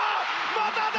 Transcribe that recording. まただ！